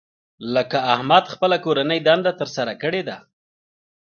لکه احمد خپله کورنۍ دنده تر سره کړې ده.